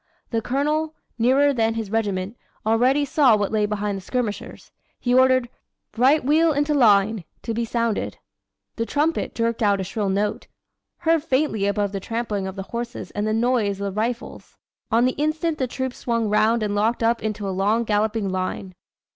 The Colonel, nearer than his regiment, already saw what lay behind the skirmishers. He ordered 'Right wheel into line' to be sounded. The trumpet jerked out a shrill note, heard faintly above the trampling of the horses and the noise of the rifles. On the instant the troops swung round and locked up into a long, galloping line.